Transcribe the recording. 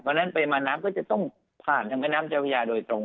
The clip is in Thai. วันนั้นไปหมานน้ำก็จะต้องผ่านทางแผ่นน้ำเจ้าพยาโดยตรง